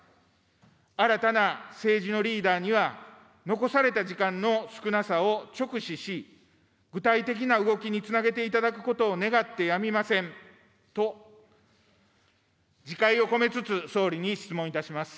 新たな政治のリーダーには、残された時間の少なさを直視し、具体的な動きにつなげていただくことを願ってやみませんと、自戒を込めつつ、総理に質問いたします。